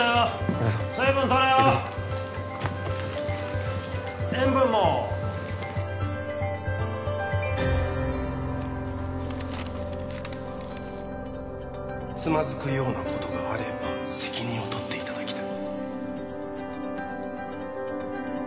行くぞ塩分もつまずくようなことがあれば責任を取っていただきたい